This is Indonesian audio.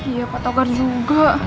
iya pak togar juga